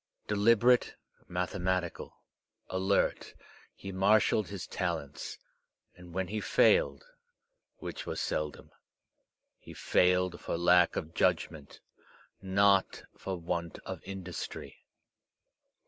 Deliberate, mathematical, alert, he marshalled his talents; and when he failed, which was seldom, he failed for lack of judgment, not for want of industry.